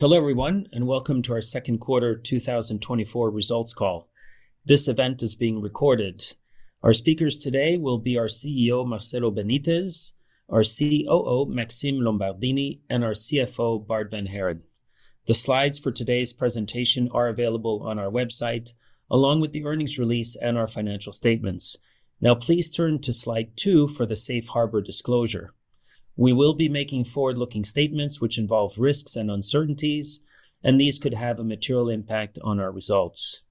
Hello, everyone, and welcome to our second quarter 2024 results call. This event is being recorded. Our speakers today will be our CEO, Marcelo Benítez, our COO, Maxime Lombardini, and our CFO, Bart Vanhaeren. The slides for today's presentation are available on our website, along with the earnings release and our financial statements. Now, please turn to slide 2 for the safe harbor disclosure. We will be making forward-looking statements which involve risks and uncertainties, and these could have a material impact on our results.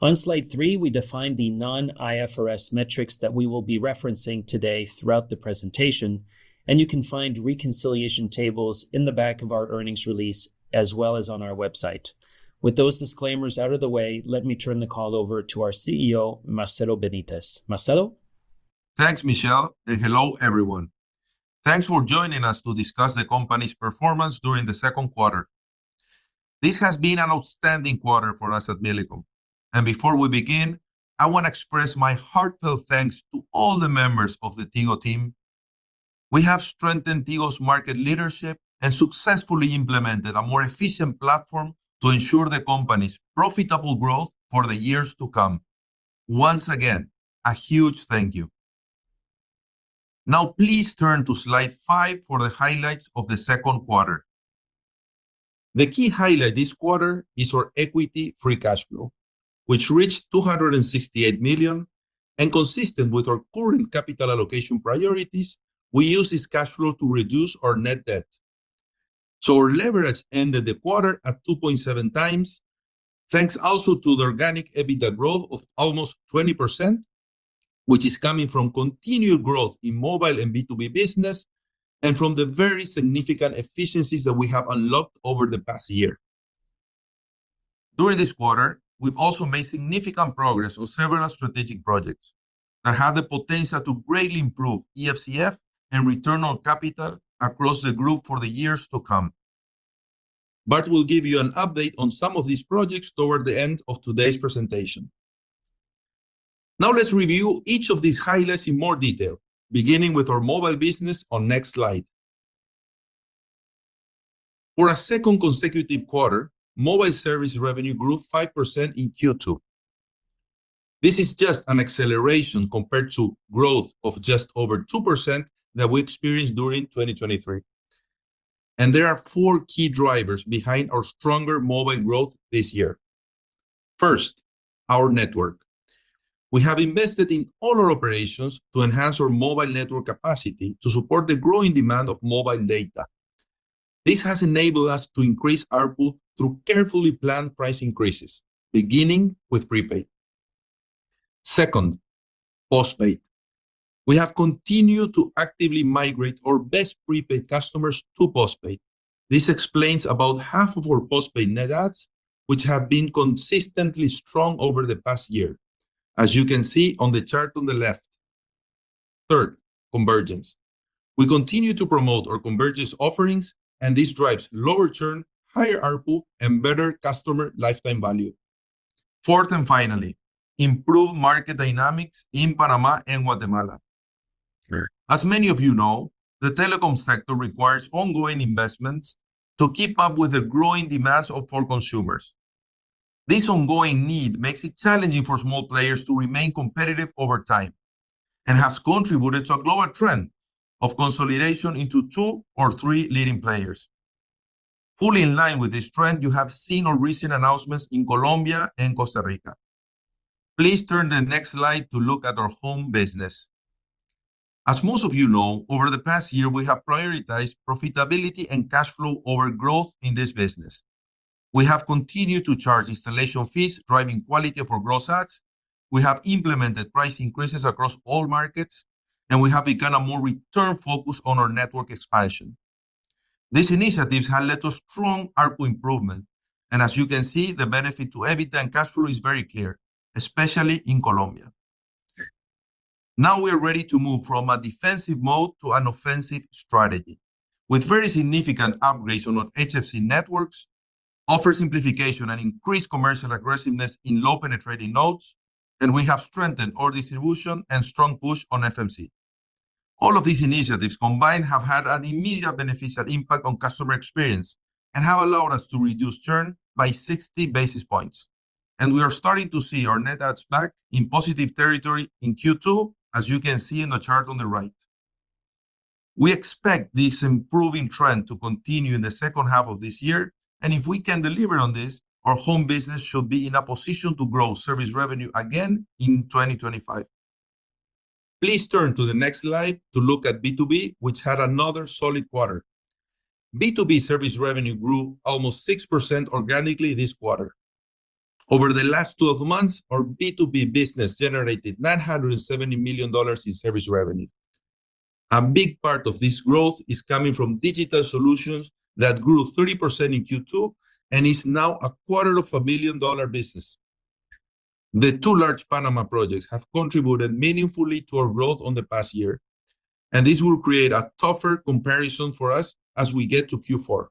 On slide 3, we define the non-IFRS metrics that we will be referencing today throughout the presentation, and you can find reconciliation tables in the back of our earnings release, as well as on our website. With those disclaimers out of the way, let me turn the call over to our CEO, Marcelo Benítez. Marcelo? Thanks, Michel, and hello, everyone. Thanks for joining us to discuss the company's performance during the second quarter. This has been an outstanding quarter for us at Millicom, and before we begin, I wanna express my heartfelt thanks to all the members of the Tigo team. We have strengthened Tigo's market leadership and successfully implemented a more efficient platform to ensure the company's profitable growth for the years to come. Once again, a huge thank you. Now, please turn to slide 5 for the highlights of the second quarter. The key highlight this quarter is our equity free cash flow, which reached $268 million, and consistent with our current capital allocation priorities, we used this cash flow to reduce our net debt. So our leverage ended the quarter at 2.7 times, thanks also to the organic EBITDA growth of almost 20%, which is coming from continued growth in mobile and B2B business, and from the very significant efficiencies that we have unlocked over the past year. During this quarter, we've also made significant progress on several strategic projects that have the potential to greatly improve EFCF and return on capital across the group for the years to come. Bart will give you an update on some of these projects toward the end of today's presentation. Now, let's review each of these highlights in more detail, beginning with our mobile business on next slide. For a second consecutive quarter, mobile service revenue grew 5% in Q2. This is just an acceleration compared to growth of just over 2% that we experienced during 2023. There are four key drivers behind our stronger mobile growth this year. First, our network. We have invested in all our operations to enhance our mobile network capacity to support the growing demand of mobile data. This has enabled us to increase ARPU through carefully planned price increases, beginning with prepaid. Second, postpaid. We have continued to actively migrate our best prepaid customers to postpaid. This explains about half of our postpaid net adds, which have been consistently strong over the past year, as you can see on the chart on the left. Third, convergence. We continue to promote our convergence offerings, and this drives lower churn, higher ARPU, and better customer lifetime value. Fourth and finally, improved market dynamics in Panama and Guatemala. As many of you know, the telecom sector requires ongoing investments to keep up with the growing demands of all consumers. This ongoing need makes it challenging for small players to remain competitive over time and has contributed to a global trend of consolidation into two or three leading players. Fully in line with this trend, you have seen our recent announcements in Colombia and Costa Rica. Please turn to the next slide to look at our home business. As most of you know, over the past year, we have prioritized profitability and cash flow over growth in this business. We have continued to charge installation fees, driving quality for gross adds. We have implemented price increases across all markets, and we have begun a more return focus on our network expansion. These initiatives have led to strong ARPU improvement, and as you can see, the benefit to EBITDA and cash flow is very clear, especially in Colombia. Now, we are ready to move from a defensive mode to an offensive strategy. With very significant upgrades on our HFC networks, offer simplification and increase commercial aggressiveness in low-penetrating nodes, and we have strengthened our distribution and strong push on FMC. All of these initiatives combined have had an immediate beneficial impact on customer experience and have allowed us to reduce churn by 60 basis points. We are starting to see our net adds back in positive territory in Q2, as you can see in the chart on the right. We expect this improving trend to continue in the second half of this year, and if we can deliver on this, our home business should be in a position to grow service revenue again in 2025. Please turn to the next slide to look at B2B, which had another solid quarter. B2B service revenue grew almost 6% organically this quarter. Over the last 12 months, our B2B business generated $970 million in service revenue. A big part of this growth is coming from digital solutions that grew 30% in Q2 and is now a $250 million business. The 2 large Panama projects have contributed meaningfully to our growth on the past year, and this will create a tougher comparison for us as we get to Q4.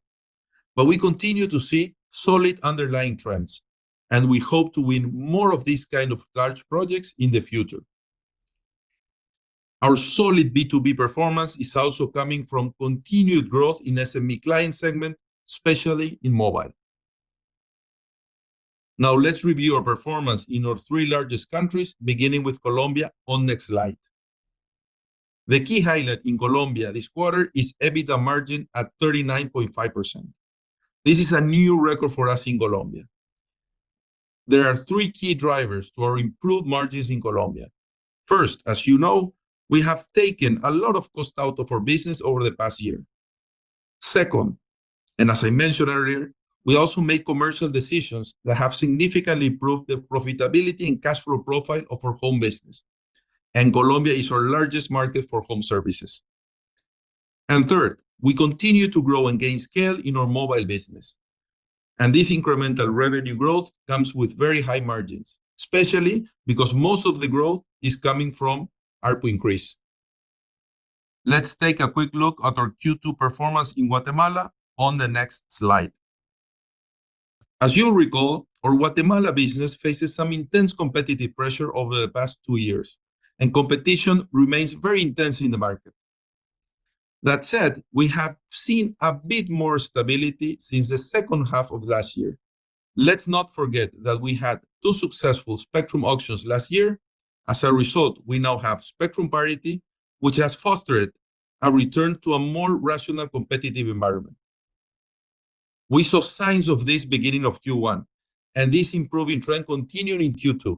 But we continue to see solid underlying trends, and we hope to win more of these kind of large projects in the future.... Our solid B2B performance is also coming from continued growth in SME client segment, especially in mobile. Now let's review our performance in our three largest countries, beginning with Colombia on next slide. The key highlight in Colombia this quarter is EBITDA margin at 39.5%. This is a new record for us in Colombia. There are three key drivers to our improved margins in Colombia. First, as you know, we have taken a lot of cost out of our business over the past year. Second, and as I mentioned earlier, we also make commercial decisions that have significantly improved the profitability and cash flow profile of our home business, and Colombia is our largest market for home services. And third, we continue to grow and gain scale in our mobile business, and this incremental revenue growth comes with very high margins, especially because most of the growth is coming from ARPU increase. Let's take a quick look at our Q2 performance in Guatemala on the next slide. As you'll recall, our Guatemala business faces some intense competitive pressure over the past two years, and competition remains very intense in the market. That said, we have seen a bit more stability since the second half of last year. Let's not forget that we had two successful spectrum auctions last year. As a result, we now have spectrum parity, which has fostered a return to a more rational, competitive environment. We saw signs of this beginning of Q1, and this improving trend continued in Q2,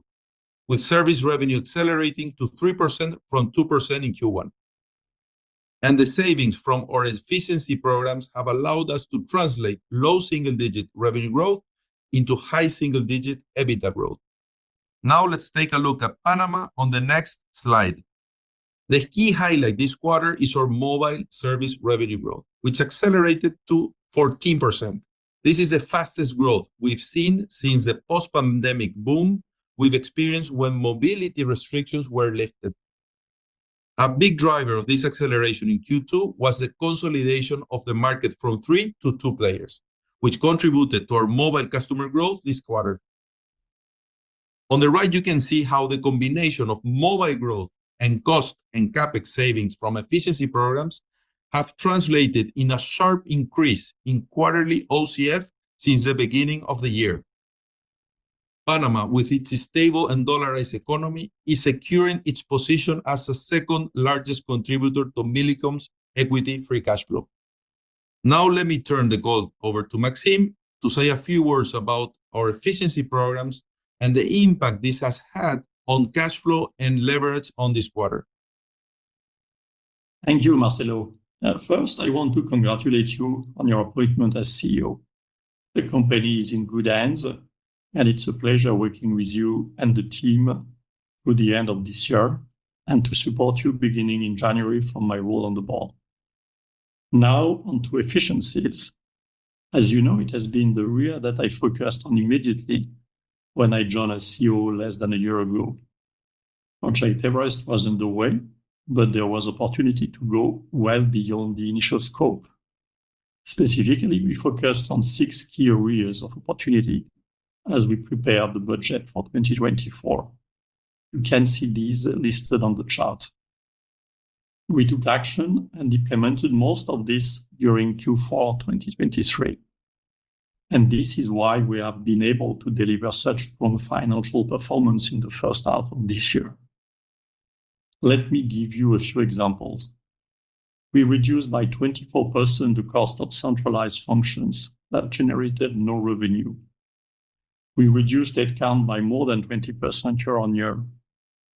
with service revenue accelerating to 3% from 2% in Q1. And the savings from our efficiency programs have allowed us to translate low single-digit revenue growth into high single-digit EBITDA growth. Now, let's take a look at Panama on the next slide. The key highlight this quarter is our mobile service revenue growth, which accelerated to 14%. This is the fastest growth we've seen since the post-pandemic boom we've experienced when mobility restrictions were lifted. A big driver of this acceleration in Q2 was the consolidation of the market from three to two players, which contributed to our mobile customer growth this quarter. On the right, you can see how the combination of mobile growth and cost and CapEx savings from efficiency programs have translated in a sharp increase in quarterly OCF since the beginning of the year. Panama, with its stable and dollarized economy, is securing its position as the second-largest contributor to Millicom's equity free cash flow. Now, let me turn the call over to Maxime to say a few words about our efficiency programs and the impact this has had on cash flow and leverage on this quarter. Thank you, Marcelo. First, I want to congratulate you on your appointment as CEO. The company is in good hands, and it's a pleasure working with you and the team through the end of this year, and to support you beginning in January from my role on the board. Now on to efficiencies. As you know, it has been the area that I focused on immediately when I joined as CEO less than a year ago. Project Everest was underway, but there was opportunity to go well beyond the initial scope. Specifically, we focused on six key areas of opportunity as we prepared the budget for 2024. You can see these listed on the chart. We took action and implemented most of this during Q4 2023, and this is why we have been able to deliver such strong financial performance in the first half of this year. Let me give you a few examples. We reduced by 24% the cost of centralized functions that generated no revenue. We reduced headcount by more than 20% year-on-year,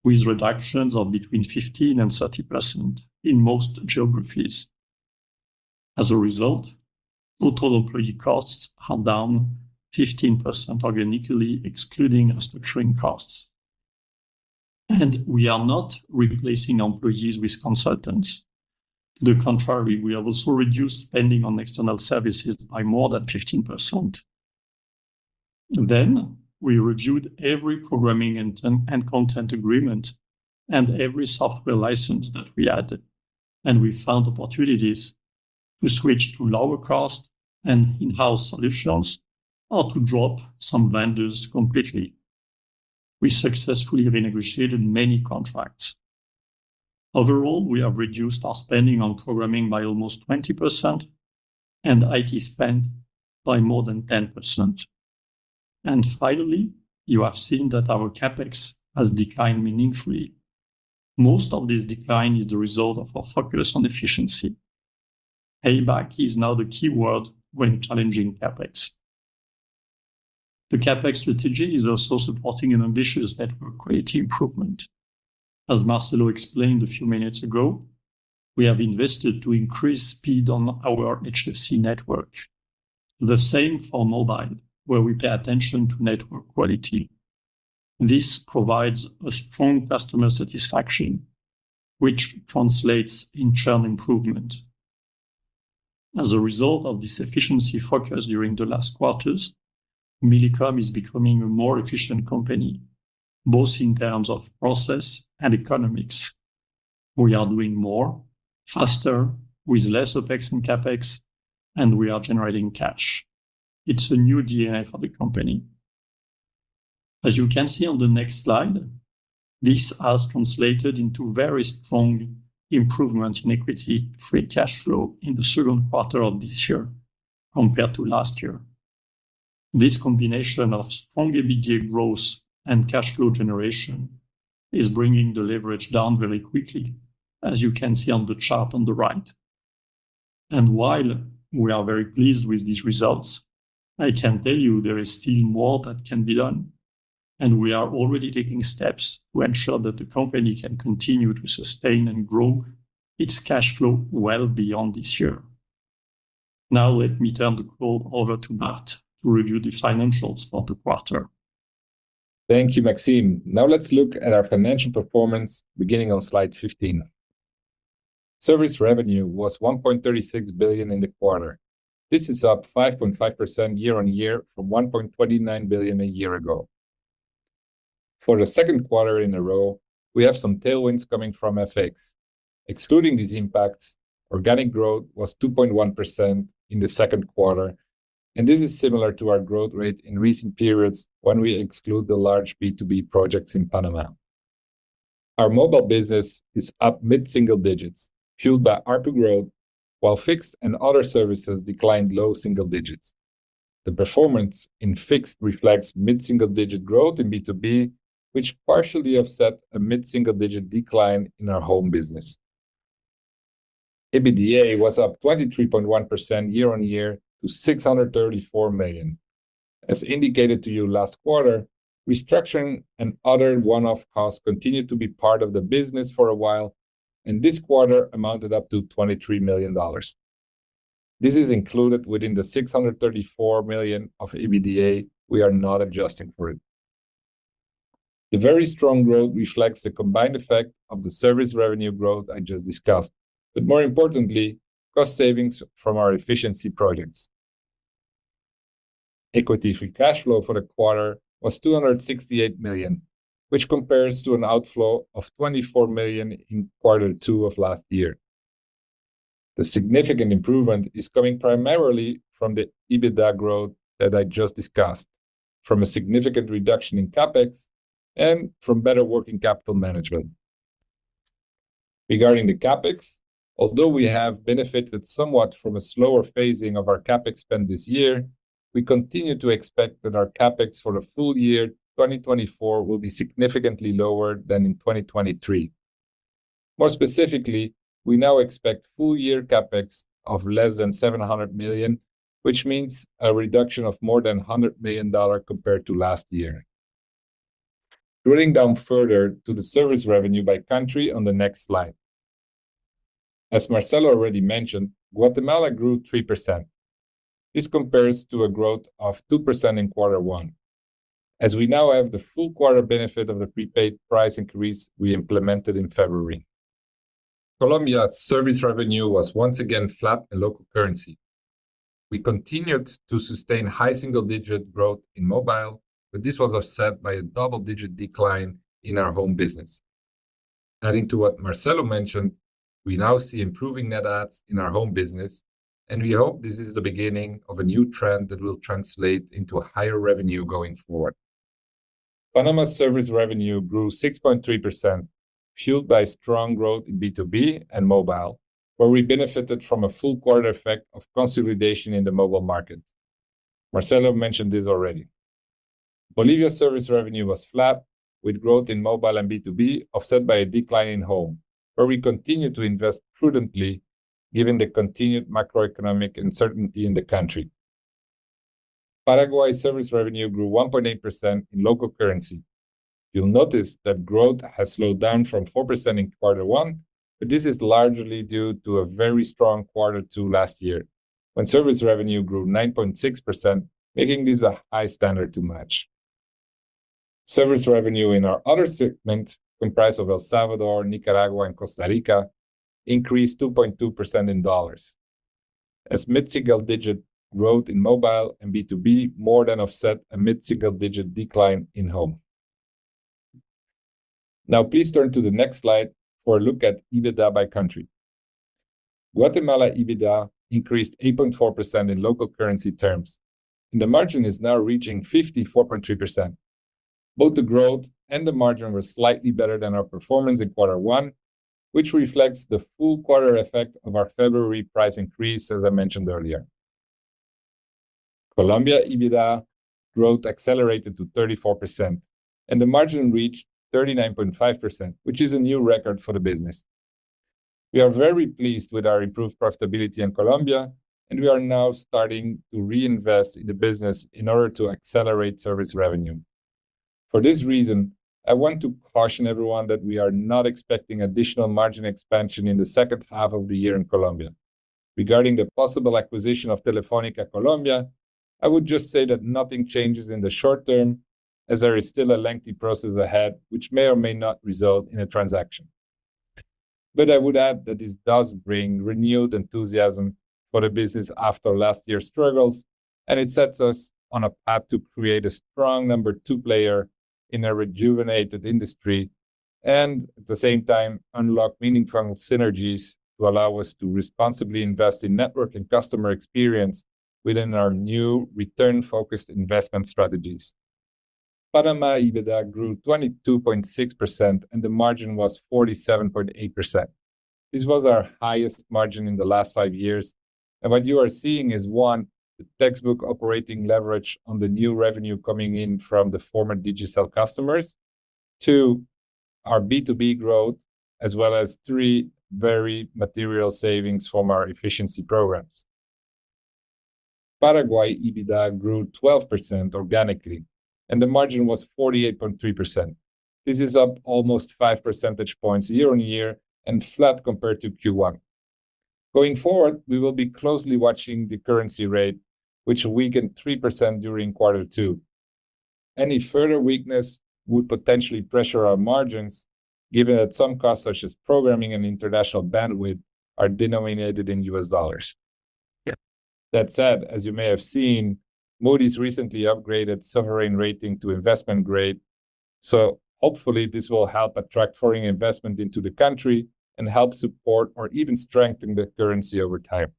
with reductions of between 15% and 30% in most geographies. As a result, total employee costs are down 15% organically, excluding restructuring costs, and we are not replacing employees with consultants. To the contrary, we have also reduced spending on external services by more than 15%. Then, we reviewed every programming and content agreement and every software license that we had, and we found opportunities to switch to lower cost and in-house solutions or to drop some vendors completely. We successfully renegotiated many contracts. Overall, we have reduced our spending on programming by almost 20%, and IT spend by more than 10%. And finally, you have seen that our CapEx has declined meaningfully. Most of this decline is the result of our focus on efficiency. Payback is now the key word when challenging CapEx. The CapEx strategy is also supporting an ambitious network quality improvement. As Marcelo explained a few minutes ago, we have invested to increase speed on our HFC network. The same for mobile, where we pay attention to network quality. This provides a strong customer satisfaction, which translates in churn improvement. As a result of this efficiency focus during the last quarters, Millicom is becoming a more efficient company, both in terms of process and economics. We are doing more, faster, with less OpEx and CapEx, and we are generating cash. It's a new DNA for the company... As you can see on the next slide, this has translated into very strong improvement in equity free cash flow in the second quarter of this year compared to last year. This combination of strong EBITDA growth and cash flow generation is bringing the leverage down very quickly, as you can see on the chart on the right. While we are very pleased with these results, I can tell you there is still more that can be done, and we are already taking steps to ensure that the company can continue to sustain and grow its cash flow well beyond this year. Now, let me turn the call over to Bart to review the financials for the quarter. Thank you, Maxime. Now let's look at our financial performance, beginning on slide 15. Service revenue was $1.36 billion in the quarter. This is up 5.5% year-on-year from $1.29 billion a year ago. For the second quarter in a row, we have some tailwinds coming from FX. Excluding these impacts, organic growth was 2.1% in the second quarter, and this is similar to our growth rate in recent periods when we exclude the large B2B projects in Panama. Our mobile business is up mid-single digits, fueled by ARPU growth, while fixed and other services declined low single digits. The performance in fixed reflects mid-single-digit growth in B2B, which partially offset a mid-single-digit decline in our home business. EBITDA was up 23.1% year-on-year to $634 million. As indicated to you last quarter, restructuring and other one-off costs continued to be part of the business for a while, and this quarter amounted up to $23 million. This is included within the $634 million of EBITDA. We are not adjusting for it. The very strong growth reflects the combined effect of the service revenue growth I just discussed, but more importantly, cost savings from our efficiency projects. Equity free cash flow for the quarter was $268 million, which compares to an outflow of $24 million in quarter two of last year. The significant improvement is coming primarily from the EBITDA growth that I just discussed, from a significant reduction in CapEx, and from better working capital management. Regarding the CapEx, although we have benefited somewhat from a slower phasing of our CapEx spend this year, we continue to expect that our CapEx for the full year, 2024, will be significantly lower than in 2023. More specifically, we now expect full year CapEx of less than $700 million, which means a reduction of more than $100 million compared to last year. Drilling down further to the service revenue by country on the next slide. As Marcelo already mentioned, Guatemala grew 3%. This compares to a growth of 2% in quarter one. As we now have the full quarter benefit of the prepaid price increase we implemented in February. Colombia's service revenue was once again flat in local currency. We continued to sustain high single-digit growth in mobile, but this was offset by a double-digit decline in our home business. Adding to what Marcelo mentioned, we now see improving net adds in our home business, and we hope this is the beginning of a new trend that will translate into a higher revenue going forward. Panama's service revenue grew 6.3%, fueled by strong growth in B2B and mobile, where we benefited from a full quarter effect of consolidation in the mobile market. Marcelo mentioned this already. Bolivia service revenue was flat, with growth in mobile and B2B offset by a decline in home, where we continue to invest prudently given the continued macroeconomic uncertainty in the country. Paraguay service revenue grew 1.8% in local currency. You'll notice that growth has slowed down from 4% in quarter one, but this is largely due to a very strong quarter two last year, when service revenue grew 9.6%, making this a high standard to match. Service revenue in our other segment, comprised of El Salvador, Nicaragua, and Costa Rica, increased 2.2% in dollars, as mid-single-digit growth in mobile and B2B more than offset a mid-single-digit decline in home. Now, please turn to the next slide for a look at EBITDA by country. Guatemala EBITDA increased 8.4% in local currency terms, and the margin is now reaching 54.3%. Both the growth and the margin were slightly better than our performance in quarter one, which reflects the full quarter effect of our February price increase, as I mentioned earlier. Colombia EBITDA growth accelerated to 34%, and the margin reached 39.5%, which is a new record for the business. We are very pleased with our improved profitability in Colombia, and we are now starting to reinvest in the business in order to accelerate service revenue. For this reason, I want to caution everyone that we are not expecting additional margin expansion in the second half of the year in Colombia. Regarding the possible acquisition of Telefónica Colombia, I would just say that nothing changes in the short term, as there is still a lengthy process ahead, which may or may not result in a transaction. But I would add that this does bring renewed enthusiasm for the business after last year's struggles, and it sets us on a path to create a strong number 2 player in a rejuvenated industry.... And at the same time, unlock meaningful synergies to allow us to responsibly invest in network and customer experience within our new return-focused investment strategies. Panama EBITDA grew 22.6%, and the margin was 47.8%. This was our highest margin in the last five years, and what you are seeing is; 1. the textbook operating leverage on the new revenue coming in from the former Digicel customers; 2. our B2B growth, as well as; 3. very material savings from our efficiency programs. Paraguay, EBITDA grew 12% organically, and the margin was 48.3%. This is up almost five percentage points year-on-year and flat compared to Q1. Going forward, we will be closely watching the currency rate, which weakened 3% during quarter two. Any further weakness would potentially pressure our margins, given that some costs, such as programming and international bandwidth, are denominated in U.S. dollars. That said, as you may have seen, Moody's recently upgraded sovereign rating to investment grade, so hopefully this will help attract foreign investment into the country and help support or even strengthen the currency over time.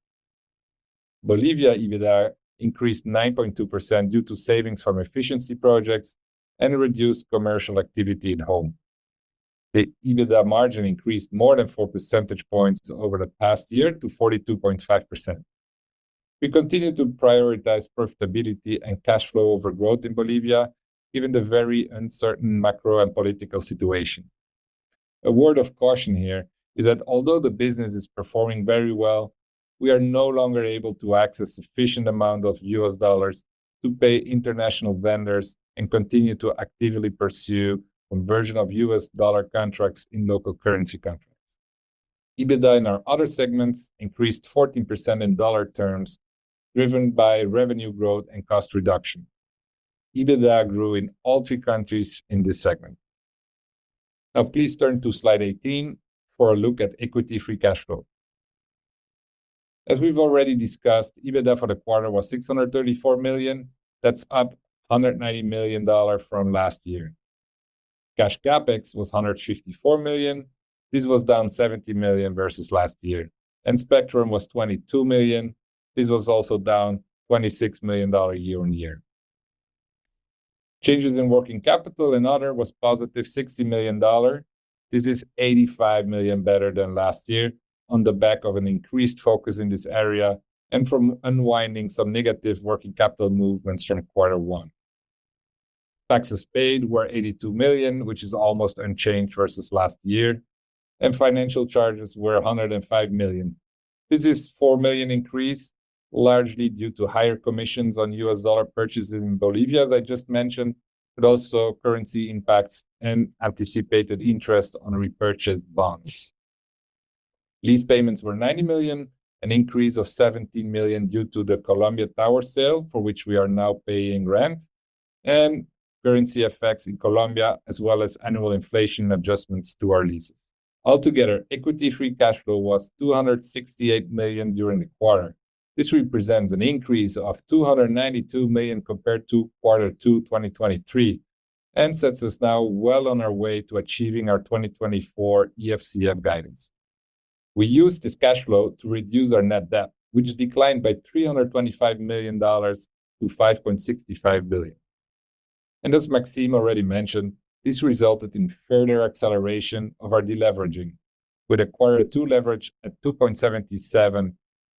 Bolivia EBITDA increased 9.2% due to savings from efficiency projects and reduced commercial activity at home. The EBITDA margin increased more than four percentage points over the past year to 42.5%. We continue to prioritize profitability and cash flow over growth in Bolivia, given the very uncertain macro and political situation. A word of caution here is that although the business is performing very well, we are no longer able to access sufficient amount of US dollars to pay international vendors and continue to actively pursue conversion of US dollar contracts in local currency contracts. EBITDA in our other segments increased 14% in dollar terms, driven by revenue growth and cost reduction. EBITDA grew in all three countries in this segment. Now, please turn to Slide 18 for a look at equity-free cash flow. As we've already discussed, EBITDA for the quarter was $634 million. That's up $190 million dollars from last year. Cash CapEx was $154 million. This was down $70 million versus last year, and spectrum was $22 million. This was also down $26 million dollars year-over-year. Changes in working capital and other was positive $60 million. This is 85 million better than last year on the back of an increased focus in this area and from unwinding some negative working capital movements from quarter one. Taxes paid were $82 million, which is almost unchanged versus last year, and financial charges were $105 million. This is 4 million increase, largely due to higher commissions on US dollar purchases in Bolivia, as I just mentioned, but also currency impacts and anticipated interest on repurchased bonds. Lease payments were $90 million, an increase of 17 million due to the Colombia tower sale, for which we are now paying rent and currency effects in Colombia, as well as annual inflation adjustments to our leases. Altogether, equity-free cash flow was $268 million during the quarter. This represents an increase of $292 million compared to quarter two, 2023, and sets us now well on our way to achieving our 2024 EFCF guidance. We used this cash flow to reduce our net debt, which declined by $325 million to $5.65 billion. As Maxime already mentioned, this resulted in further acceleration of our deleveraging, with a quarter two leverage at 2.77,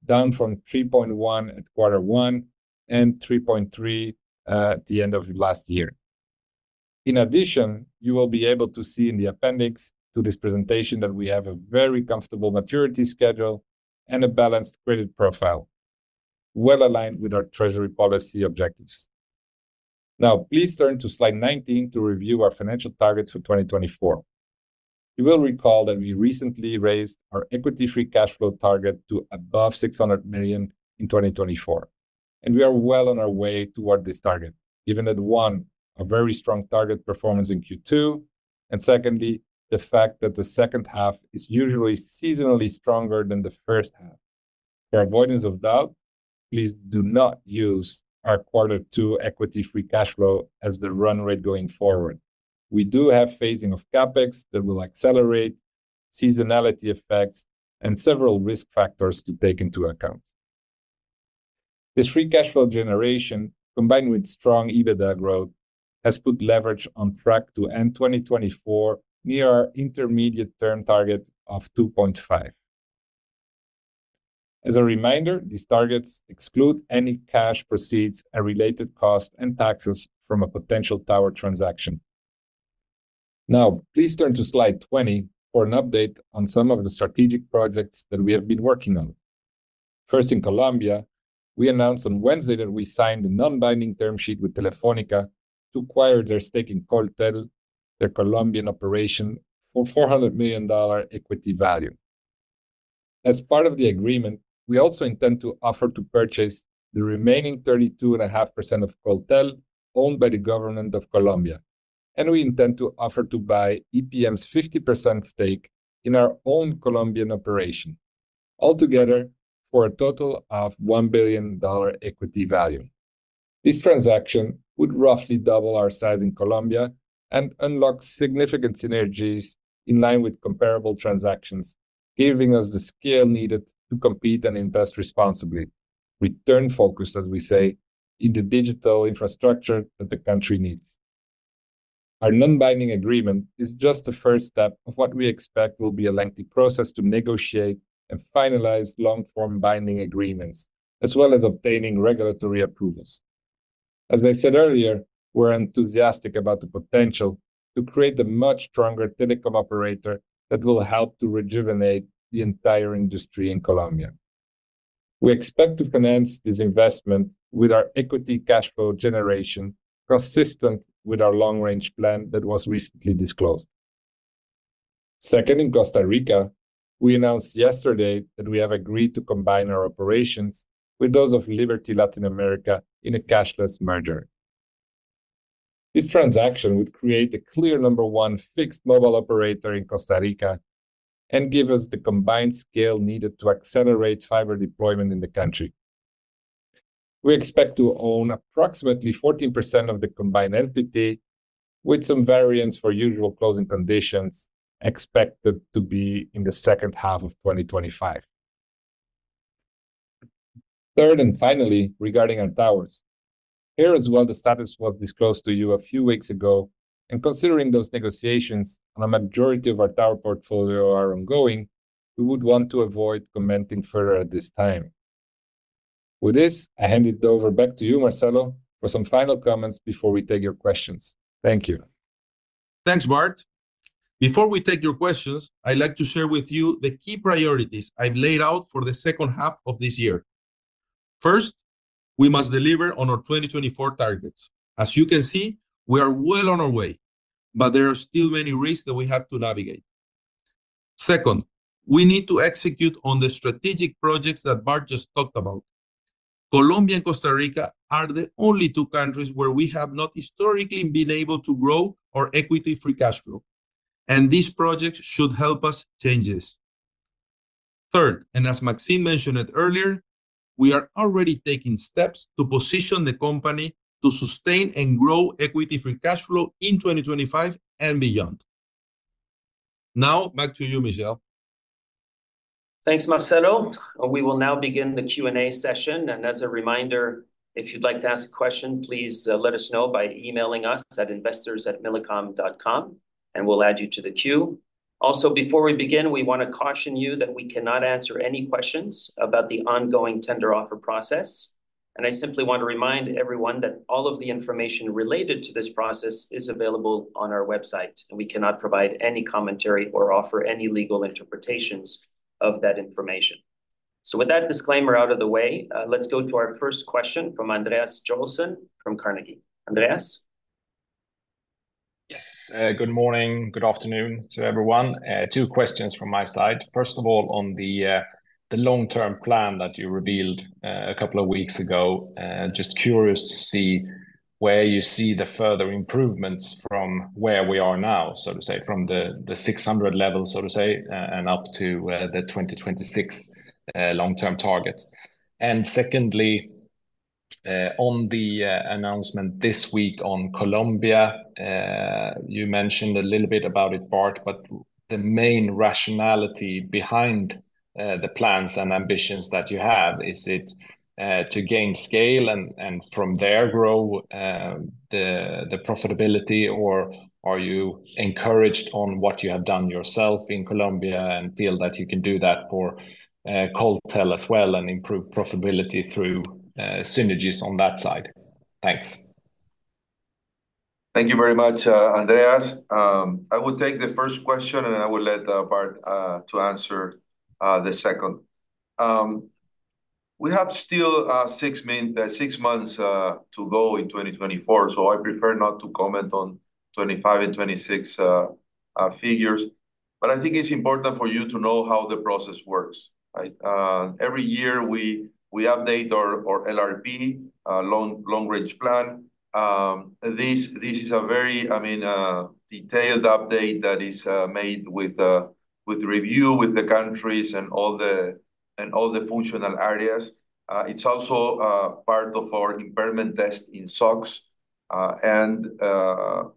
down from 3.1 at quarter one and 3.3 at the end of last year. In addition, you will be able to see in the appendix to this presentation that we have a very comfortable maturity schedule and a balanced credit profile, well aligned with our treasury policy objectives. Now, please turn to Slide 19 to review our financial targets for 2024. You will recall that we recently raised our equity free cash flow target to above $600 million in 2024, and we are well on our way toward this target, given that, one, a very strong target performance in Q2, and secondly, the fact that the second half is usually seasonally stronger than the first half. For avoidance of doubt, please do not use our quarter two equity free cash flow as the run rate going forward. We do have phasing of CapEx that will accelerate seasonality effects and several risk factors to take into account. This free cash flow generation, combined with strong EBITDA growth, has put leverage on track to end 2024 near our intermediate-term target of 2.5. As a reminder, these targets exclude any cash proceeds and related costs and taxes from a potential tower transaction. Now, please turn to Slide 20 for an update on some of the strategic projects that we have been working on. First, in Colombia, we announced on Wednesday that we signed a non-binding term sheet with Telefónica to acquire their stake in Coltel, their Colombian operation, for $400 million equity value. As part of the agreement, we also intend to offer to purchase the remaining 32.5% of Coltel, owned by the government of Colombia, and we intend to offer to buy EPM's 50% stake in our own Colombian operation, altogether for a total of $1 billion equity value. This transaction would roughly double our size in Colombia and unlock significant synergies in line with comparable transactions, giving us the scale needed to compete and invest responsibly. Return focus, as we say, in the digital infrastructure that the country needs. Our non-binding agreement is just the first step of what we expect will be a lengthy process to negotiate and finalize long-form binding agreements, as well as obtaining regulatory approvals. As I said earlier, we're enthusiastic about the potential to create a much stronger telecom operator that will help to rejuvenate the entire industry in Colombia. We expect to finance this investment with our equity cash flow generation, consistent with our long-range plan that was recently disclosed. Second, in Costa Rica, we announced yesterday that we have agreed to combine our operations with those of Liberty Latin America in a cashless merger. This transaction would create a clear number one fixed mobile operator in Costa Rica and give us the combined scale needed to accelerate fiber deployment in the country. We expect to own approximately 14% of the combined entity, with some variance for usual closing conditions, expected to be in the second half of 2025. Third, and finally, regarding our towers. Here as well, the status was disclosed to you a few weeks ago, and considering those negotiations on a majority of our tower portfolio are ongoing, we would want to avoid commenting further at this time. With this, I hand it over back to you, Marcelo, for some final comments before we take your questions. Thank you. Thanks, Bart. Before we take your questions, I'd like to share with you the key priorities I've laid out for the second half of this year. First, we must deliver on our 2024 targets. As you can see, we are well on our way, but there are still many risks that we have to navigate. Second, we need to execute on the strategic projects that Bart just talked about. Colombia and Costa Rica are the only two countries where we have not historically been able to grow our equity free cash flow, and these projects should help us change this. Third, and as Maxime mentioned it earlier, we are already taking steps to position the company to sustain and grow equity free cash flow in 2025 and beyond. Now, back to you, Michel. Thanks, Marcelo. We will now begin the Q&A session, and as a reminder, if you'd like to ask a question, please let us know by emailing us at investors@millicom.com, and we'll add you to the queue. Also, before we begin, we wanna caution you that we cannot answer any questions about the ongoing tender offer process. I simply want to remind everyone that all of the information related to this process is available on our website, and we cannot provide any commentary or offer any legal interpretations of that information. With that disclaimer out of the way, let's go to our first question from Andreas Joelsson, from Carnegie. Andreas? Yes, good morning, good afternoon to everyone. Two questions from my side. First of all, on the long-term plan that you revealed a couple of weeks ago, just curious to see where you see the further improvements from where we are now, so to say, from the 600 level, so to say, and up to the 2026 long-term target. Secondly, on the announcement this week on Colombia, you mentioned a little bit about it, Bart, but the main rationale behind the plans and ambitions that you have, is it to gain scale and from there grow the profitability, or are you encouraged on what you have done yourself in Colombia and feel that you can do that for Coltel as well and improve profitability through synergies on that side? Thanks. Thank you very much, Andreas. I will take the first question, and I will let Bart to answer the second. We have still six months to go in 2024, so I prefer not to comment on 25 and 26 figures. But I think it's important for you to know how the process works, right? Every year, we update our LRP, long-range plan. This is a very, I mean, detailed update that is made with review with the countries and all the functional areas. It's also part of our impairment test in SOX, and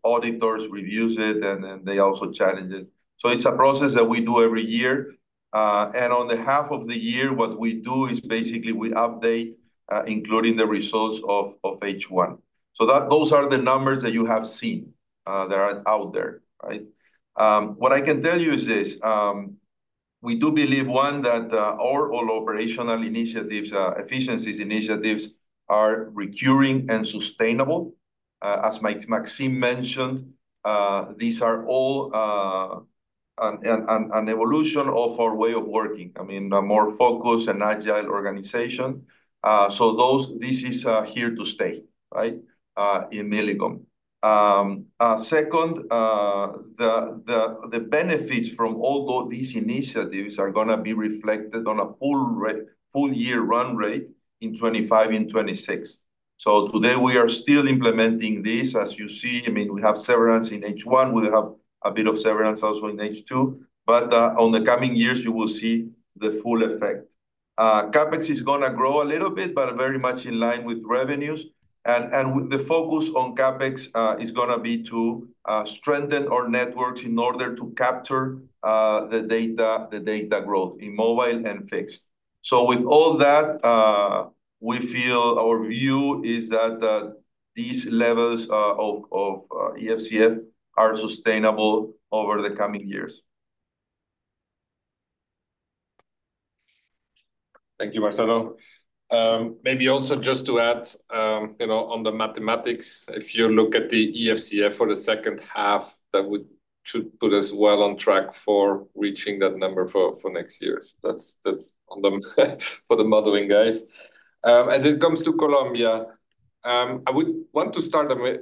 auditors reviews it, and then, they also challenge it. So it's a process that we do every year. And on the half of the year, what we do is basically we update, including the results of H1. So those are the numbers that you have seen, that are out there, right? What I can tell you is this, we do believe, one, that our all operational initiatives, efficiencies initiatives are recurring and sustainable. As Maxime mentioned, these are all an evolution of our way of working, I mean, a more focused and agile organization. So this is here to stay, right, in Millicom. Second, the benefits from all these initiatives are gonna be reflected on a full year run rate in 2025 and 2026. So today, we are still implementing this, as you see, I mean, we have severance in H1, we have a bit of severance also in H2, but on the coming years, you will see the full effect. CapEx is gonna grow a little bit, but very much in line with revenues. And the focus on CapEx is gonna be to strengthen our networks in order to capture the data growth in mobile and fixed. So with all that, we feel our view is that these levels of EFCF are sustainable over the coming years. Thank you, Marcelo. Maybe also just to add, you know, on the mathematics, if you look at the EFCF for the second half, that should put us well on track for reaching that number for next year. So that's on the for the modeling guys. As it comes to Colombia, I would want to start with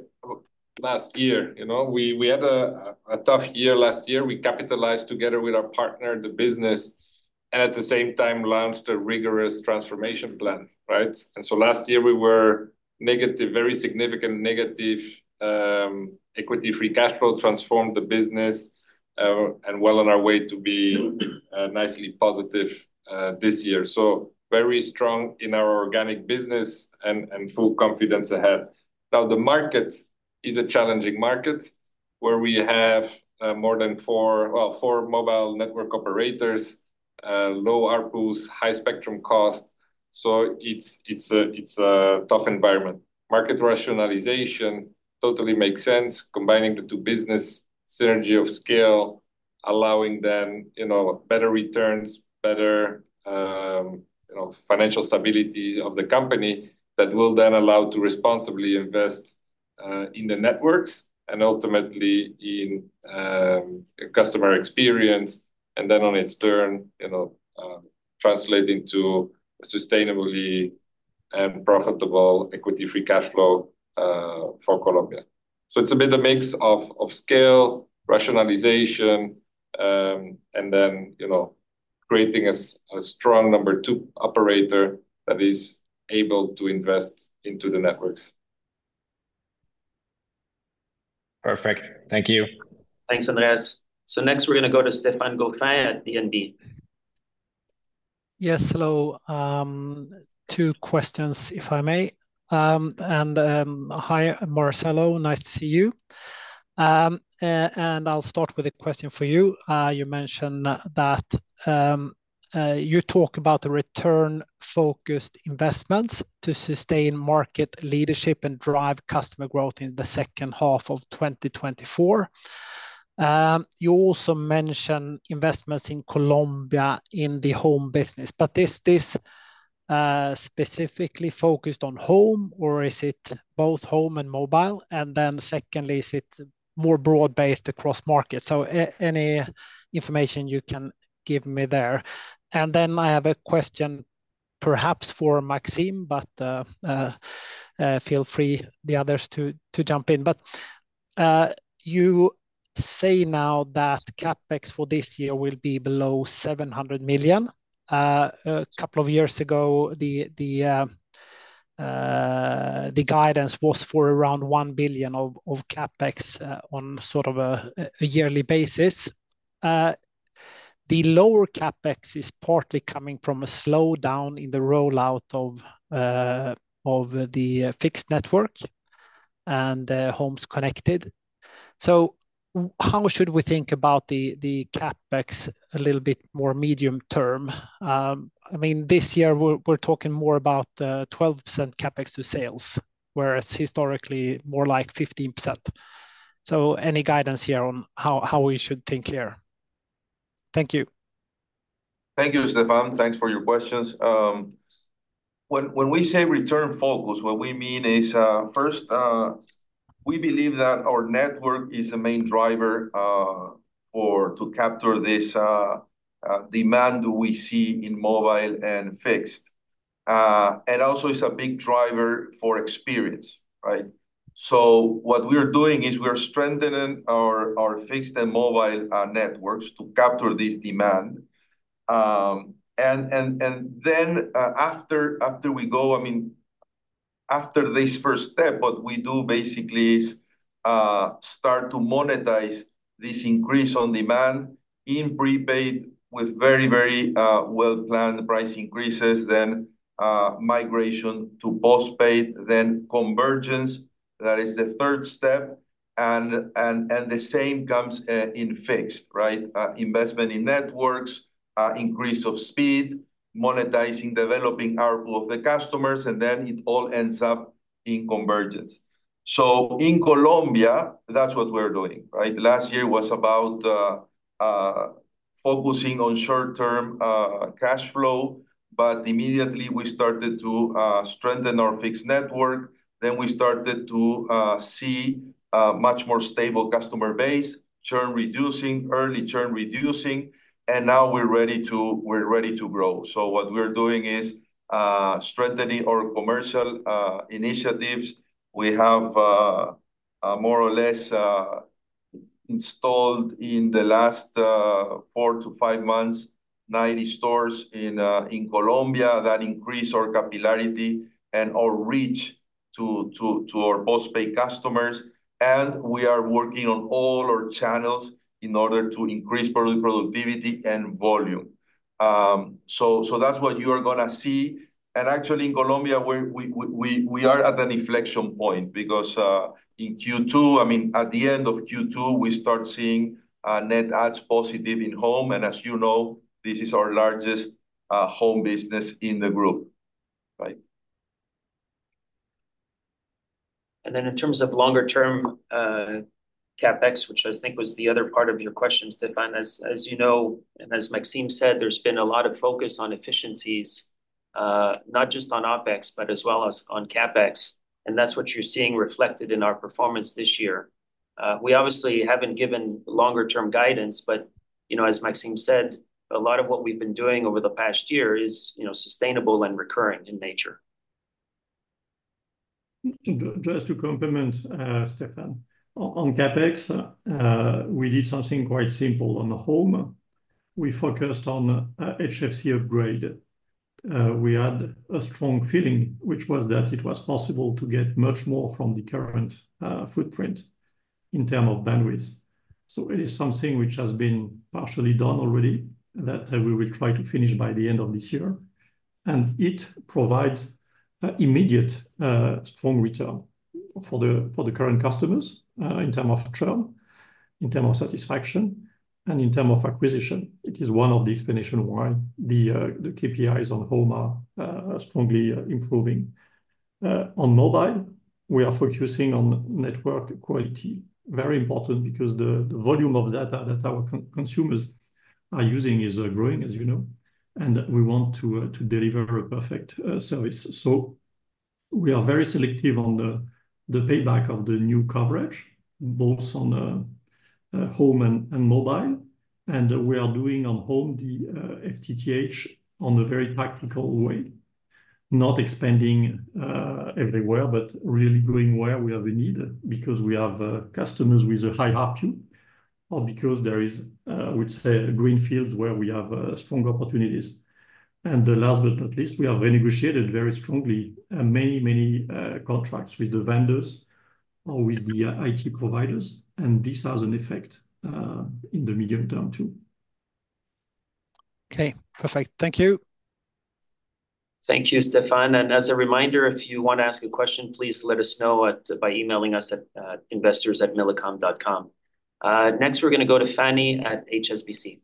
last year. You know, we had a tough year last year. We capitalized together with our partner the business, and at the same time launched a rigorous transformation plan, right? And so last year we were negative, very significant negative equity-free cash flow, transformed the business, and well on our way to be nicely positive this year. So very strong in our organic business and full confidence ahead. Now, the market is a challenging market, where we have more than four, well, 4 mobile network operators, low ARPU, high spectrum cost. So it's a tough environment. Market rationalization totally makes sense, combining the two business synergy of scale, allowing them, you know, better returns, better, you know, financial stability of the company, that will then allow to responsibly invest in the networks and ultimately in customer experience, and then on its turn, you know, translating to a sustainably and profitable equity-free cash flow for Colombia. So it's a bit of a mix of scale, rationalization, and then, you know, creating a strong number two operator that is able to invest into the networks. Perfect. Thank you. Thanks, Andreas. So next, we're gonna go to Stefan Gauffin at DNB. Yes, hello. Two questions, if I may. Hi, Marcelo, nice to see you. I'll start with a question for you. You mentioned that you talk about the return-focused investments to sustain market leadership and drive customer growth in the second half of 2024. You also mention investments in Colombia in the home business, but is this specifically focused on home, or is it both home and mobile? And then secondly, is it more broad-based across markets? So any information you can give me there. And then I have a question perhaps for Maxime, but feel free the others to jump in. But you say now that CapEx for this year will be below $700 million. A couple of years ago, the guidance was for around $1 billion of CapEx on sort of a yearly basis. The lower CapEx is partly coming from a slowdown in the rollout of the fixed network and the homes connected. So how should we think about the CapEx a little bit more medium term? I mean, this year we're talking more about 12% CapEx to sales, whereas historically, more like 15%. So any guidance here on how we should think here? Thank you. Thank you, Stefan. Thanks for your questions. When we say return focus, what we mean is, first, we believe that our network is the main driver for to capture this demand we see in mobile and fixed. And also it's a big driver for experience, right? So what we're doing is we're strengthening our fixed and mobile networks to capture this demand. And then, after we go, I mean, after this first step, what we do basically is start to monetize this increase on demand in prepaid with very well-planned price increases, then migration to postpaid, then convergence. That is the third step, and the same comes in fixed, right? Investment in networks, increase of speed, monetizing, developing ARPU of the customers, and then it all ends up in convergence. So in Colombia, that's what we're doing, right? Last year was about focusing on short-term cash flow, but immediately we started to strengthen our fixed network. Then we started to see much more stable customer base, churn reducing, early churn reducing, and now we're ready to, we're ready to grow. So what we're doing is strengthening our commercial initiatives. We have more or less installed in the last 4-5 months, 90 stores in Colombia that increase our capillarity and our reach-... to our post-paid customers, and we are working on all our channels in order to increase productivity and volume. So, so that's what you are gonna see. And actually, in Colombia, where we are at an inflection point, because in Q2—I mean, at the end of Q2, we start seeing net adds positive in Home. And as you know, this is our largest home business in the group. Right? And then in terms of longer-term, CapEx, which I think was the other part of your question, Stefan. As, as you know, and as Maxime said, there's been a lot of focus on efficiencies, not just on OpEx, but as well as on CapEx, and that's what you're seeing reflected in our performance this year. We obviously haven't given longer-term guidance but, you know, as Maxime said, a lot of what we've been doing over the past year is, you know, sustainable and recurring in nature. Just to complement, Stefan. On CapEx, we did something quite simple on the Home. We focused on HFC upgrade. We had a strong feeling, which was that it was possible to get much more from the current footprint in terms of bandwidth. So it is something which has been partially done already, that we will try to finish by the end of this year. And it provides immediate strong return for the current customers in terms of churn, in terms of satisfaction, and in terms of acquisition. It is one of the explanations why the KPIs on Home are strongly improving. On Mobile, we are focusing on network quality. Very important, because the volume of data that our consumers are using is growing, as you know, and we want to deliver a perfect service. So we are very selective on the payback of the new coverage, both on Home and Mobile. And we are doing on Home, the FTTH on a very practical way, not expanding everywhere, but really going where we have a need, because we have customers with a high ARPU, or because there is, we'd say green fields where we have strong opportunities. And the last but not least, we have renegotiated very strongly many, many contracts with the vendors or with the IT providers, and this has an effect in the medium term, too. Okay, perfect. Thank you. Thank you, Stefan. As a reminder, if you want to ask a question, please let us know by emailing us at investors@millicom.com. Next, we're gonna go to Phani at HSBC.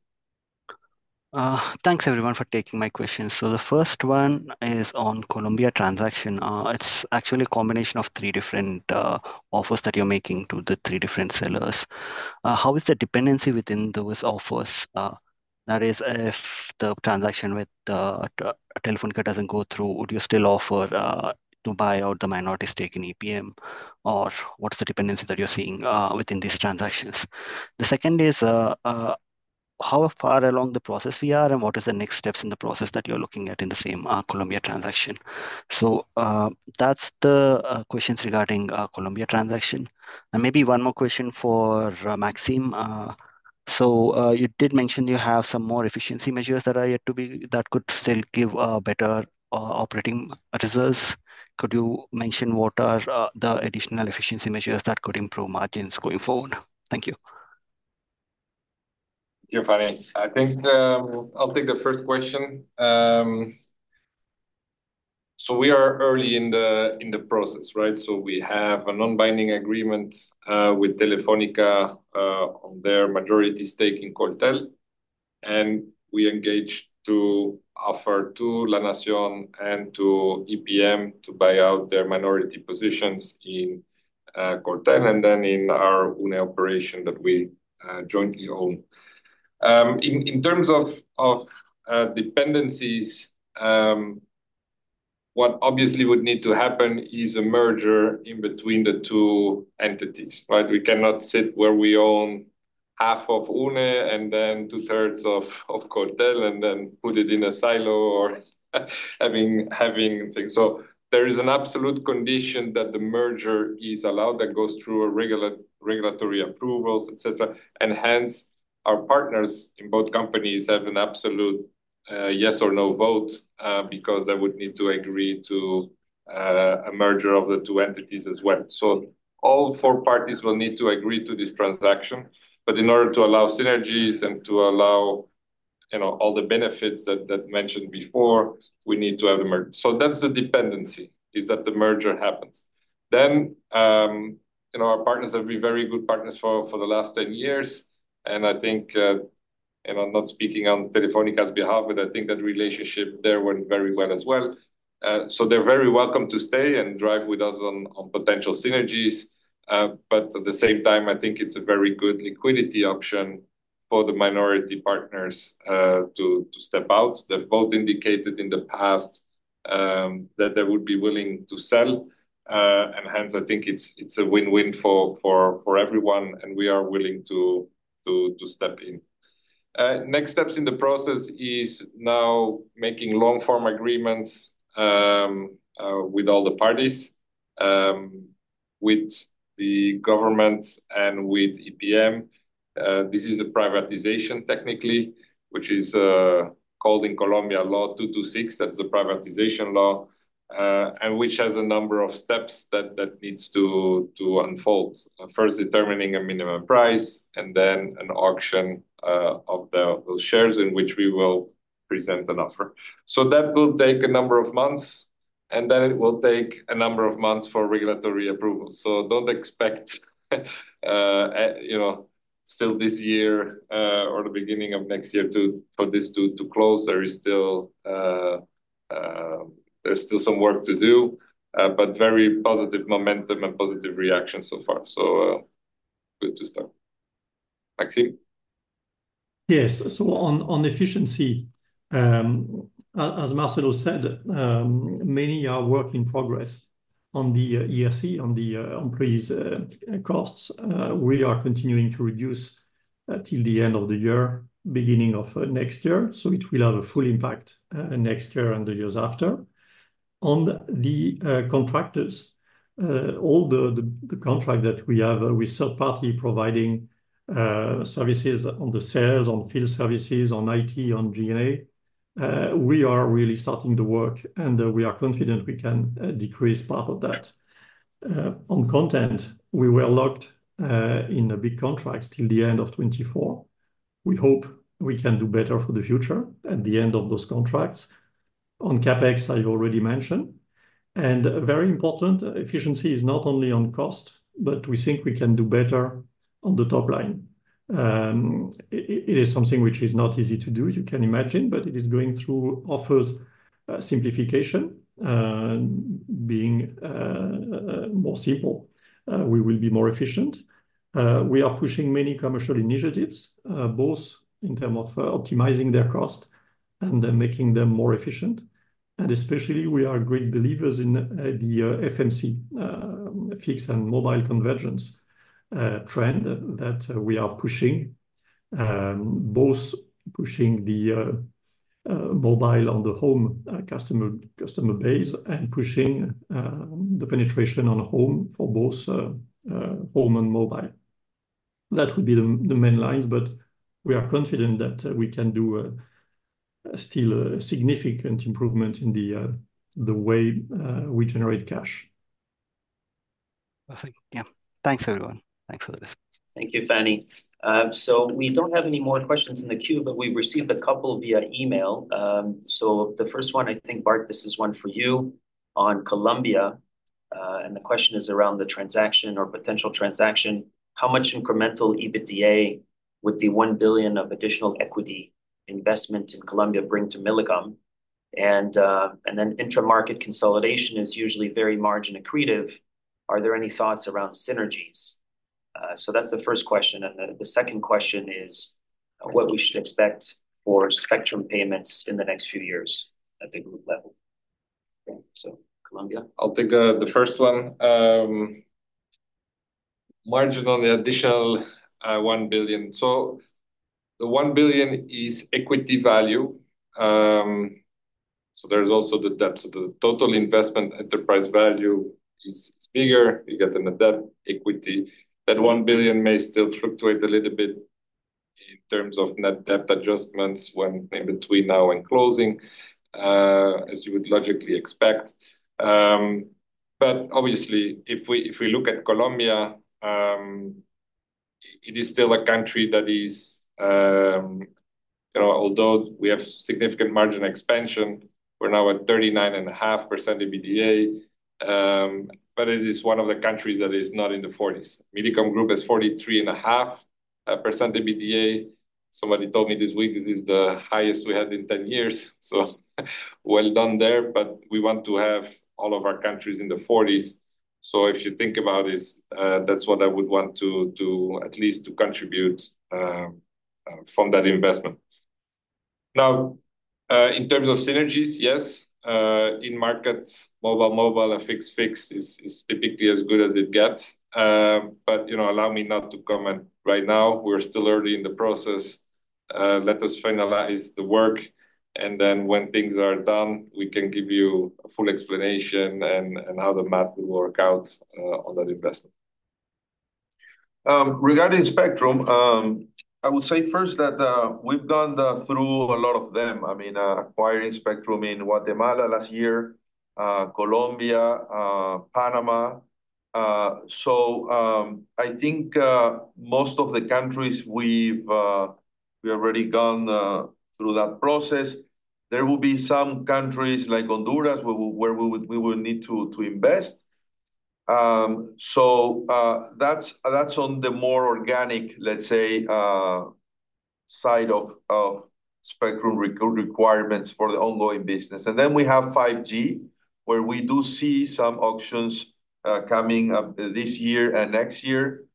Thanks everyone for taking my question. So the first one is on Colombia transaction. It's actually a combination of three different offers that you're making to the three different sellers. How is the dependency within those offers? That is, if the transaction with Telefónica doesn't go through, would you still offer to buy out the minority stake in EPM? Or what is the dependency that you're seeing within these transactions? The second is how far along the process we are, and what is the next steps in the process that you're looking at in the same Colombia transaction? So that's the questions regarding Colombia transaction. And maybe one more question for Maxime. So, you did mention you have some more efficiency measures that could still give better operating results. Could you mention what are the additional efficiency measures that could improve margins going forward? Thank you. Yeah, Phani, I think, I'll take the first question. So we are early in the process, right? So we have a non-binding agreement with Telefónica on their majority stake in Coltel, and we engaged to offer to La Nación and to EPM to buy out their minority positions in Coltel, and then in our UNE operation that we jointly own. In terms of dependencies, what obviously would need to happen is a merger in between the two entities, right? We cannot sit where we own half of UNE, and then two-thirds of Coltel, and then put it in a silo or having things. So there is an absolute condition that the merger is allowed, that goes through regulatory approvals, et cetera. Hence, our partners in both companies have an absolute yes or no vote, because they would need to agree to a merger of the two entities as well. So all four parties will need to agree to this transaction. But in order to allow synergies and to allow, you know, all the benefits that's mentioned before, we need to have a merger. So that's the dependency, is that the merger happens. Then, you know, our partners have been very good partners for the last 10 years, and I think, you know, I'm not speaking on Telefónica's behalf, but I think that relationship there went very well as well. So they're very welcome to stay and drive with us on potential synergies. But at the same time, I think it's a very good liquidity option for the minority partners, to step out. They've both indicated in the past, that they would be willing to sell, and hence, I think it's a win-win for everyone, and we are willing to step in. Next steps in the process is now making long-form agreements, with all the parties, with the government and with EPM. This is a privatization technically, which is called in Colombia Law 226, that's the privatization law, and which has a number of steps that needs to unfold. First determining a minimum price, and then an auction of those shares in which we will present an offer. So that will take a number of months, and then it will take a number of months for regulatory approval. So don't expect, you know, still this year, or the beginning of next year for this to close. There's still some work to do, but very positive momentum and positive reaction so far. So, good to start. Maxime? Yes. So on efficiency, as Marcelo said, many are work in progress on the ERC, on the employees costs. We are continuing to reduce till the end of the year, beginning of next year, so it will have a full impact next year and the years after. On the contractors, all the contract that we have with third party providing services on the sales, on field services, on IT, on G&A, we are really starting the work, and we are confident we can decrease part of that. On content, we were locked in a big contract till the end of 2024. We hope we can do better for the future at the end of those contracts. On CapEx, I already mentioned. Very important, efficiency is not only on cost, but we think we can do better on the top line. It is something which is not easy to do, you can imagine, but it is going through offers, simplification, being more simple, we will be more efficient. We are pushing many commercial initiatives, both in terms of optimizing their cost and making them more efficient. And especially, we are great believers in the FMC, fixed and mobile convergence, trend that we are pushing. Both pushing the mobile on the home customer base, and pushing the penetration on home for both home and mobile. That would be the main lines, but we are confident that we can do still a significant improvement in the way we generate cash. Perfect. Yeah. Thanks, everyone. Thanks a lot. Thank you, Phani. So we don't have any more questions in the queue, but we received a couple via email. So the first one, I think, Bart, this is one for you on Colombia. And the question is around the transaction or potential transaction: How much incremental EBITDA would the $1 billion of additional equity investment in Colombia bring to Millicom? And then intra-market consolidation is usually very margin accretive. Are there any thoughts around synergies? So that's the first question. And then the second question is, Okay... what we should expect for spectrum payments in the next few years at the group level? Okay, so Colombia. I'll take the first one. Margin on the additional $1 billion. So the $1 billion is equity value. So there's also the debt. So the total investment enterprise value is bigger. You get the net debt, equity. That $1 billion may still fluctuate a little bit in terms of net debt adjustments between now and closing, as you would logically expect. But obviously, if we look at Colombia, it is still a country that is... You know, although we have significant margin expansion, we're now at 39.5% EBITDA, but it is one of the countries that is not in the 40s. Millicom Group is 43.5% EBITDA. Somebody told me this week this is the highest we had in 10 years, so well done there, but we want to have all of our countries in the 40s. So if you think about this, that's what I would want to at least contribute from that investment. Now, in terms of synergies, yes, in markets, mobile and fixed is typically as good as it gets. But, you know, allow me not to comment right now. We're still early in the process. Let us finalize the work, and then when things are done, we can give you a full explanation and how the math will work out on that investment. Regarding Spectrum, I would say first that we've gone through a lot of them. I mean, acquiring Spectrum in Guatemala last year, Colombia, Panama. So, I think most of the countries we've already gone through that process. There will be some countries like Honduras, where we will need to invest. So, that's on the more organic, let's say, side of spectrum requirements for the ongoing business. And then we have 5G, where we do see some auctions coming up this year and next year.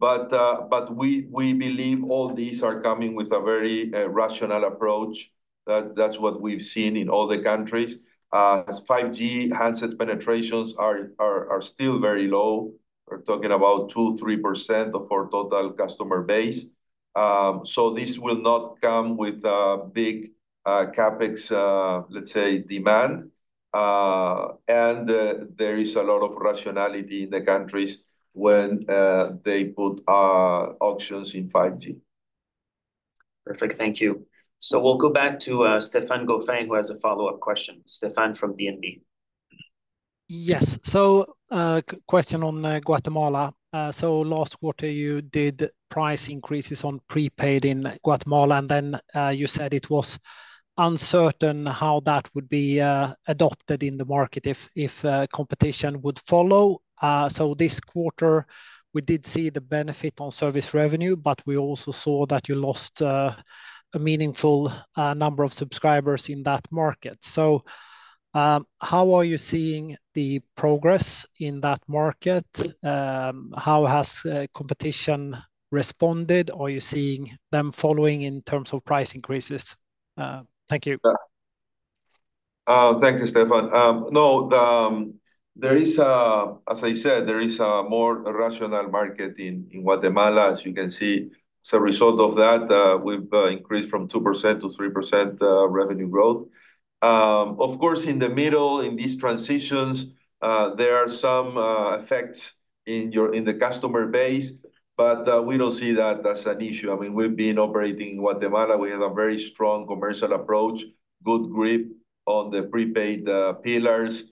But we believe all these are coming with a very rational approach. That's what we've seen in all the countries. As 5G handsets penetrations are still very low. We're talking about 2%-3% of our total customer base. So this will not come with big CapEx, let's say, demand. And there is a lot of rationality in the countries when they put auctions in 5G. Perfect, thank you. So we'll go back to Stefan Gauffin, who has a follow-up question. Stefan from DNB. Yes. So, question on Guatemala. So last quarter, you did price increases on prepaid in Guatemala, and then, you said it was uncertain how that would be adopted in the market if competition would follow. So this quarter, we did see the benefit on service revenue, but we also saw that you lost a meaningful number of subscribers in that market. So, how are you seeing the progress in that market? How has competition responded? Are you seeing them following in terms of price increases? Thank you. Thank you, Stefan. No, there is a more rational market in Guatemala, as you can see. As a result of that, we've increased from 2% to 3% revenue growth. Of course, in the middle of these transitions, there are some effects in the customer base, but we don't see that as an issue. I mean, we've been operating in Guatemala. We have a very strong commercial approach, good grip on the prepaid pillars,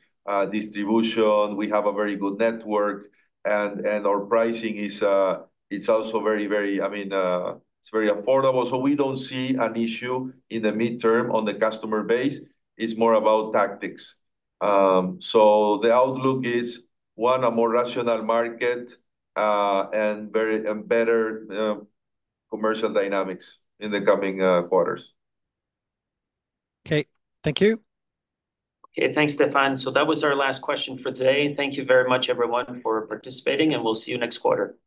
distribution. We have a very good network, and our pricing is also very affordable. I mean, it's very affordable. So we don't see an issue in the midterm on the customer base. It's more about tactics. So the outlook is, 1, a more rational market, and very- and better commercial dynamics in the coming quarters. Okay. Thank you. Okay, thanks, Stefan. So that was our last question for today. Thank you very much, everyone, for participating, and we'll see you next quarter.